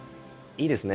いいですね。